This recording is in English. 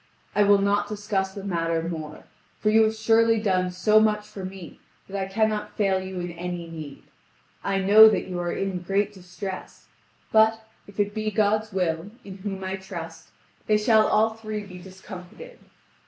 I will not discuss the matter more, for you have surely done so much for me that I cannot fail you in any need. I know that you are in great distress; but, if it be God's will, in whom I trust, they shall all three be discomfited.